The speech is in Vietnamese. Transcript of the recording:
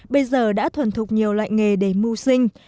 bây giờ đã thuần thục nhiều loại nghề để mưu sinh